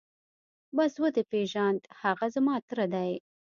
بس ودې پېژاند هغه زما تره دى.